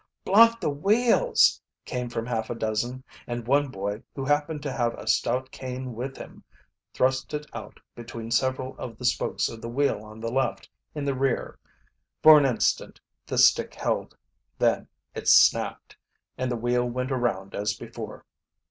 "Block the wheels!" came from half a dozen, and one boy, who happened to have a stout cane with him, thrust it out between several of the spokes of the wheel on the left, in the rear. For an instant the stick held, then it snapped, and the wheel went around as before.